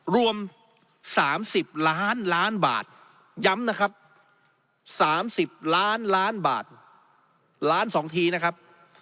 รวม๓๐ล้านล้านบาทย้ำนะครับ๓๐ล้านล้านบาทล้าน๒ทีนะครับ